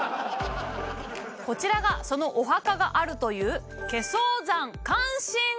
こちらがそのお墓があるという。